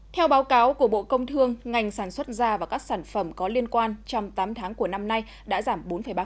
theo báo cáo của bộ công thương ngành sản xuất da và các sản phẩm có liên quan trong tám tháng của năm nay đã giảm bốn ba